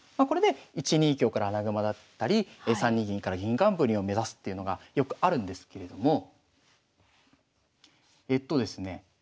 これで１二香から穴熊だったり３二銀から銀冠を目指すっていうのがよくあるんですけれどもえっとですね